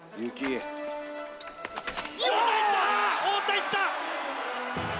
太田いった！